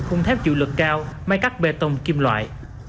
khung thép chịu lực cao máy cắt bê tông kim loại